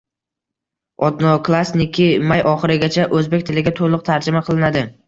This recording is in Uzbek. “Odnoklassniki” may oyi oxirigacha o‘zbek tiliga to‘liq tarjima qilinadi